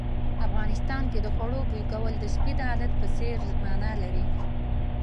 افغانستان کې د خوړو بوي کول د سپي د عادت په څېر مانا لري.